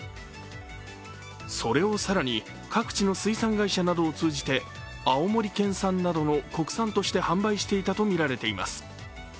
それを更に各地の水産会社などを通じて、青森県産などの国産として販売していたとみられています。